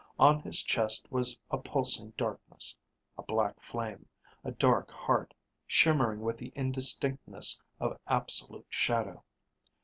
On his chest was a pulsing darkness, a black flame, a dark heart, shimmering with the indistinctness of absolute shadow.